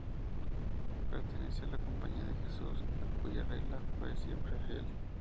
Perteneció a la Compañía de Jesús, a cuya regla fue siempre fiel.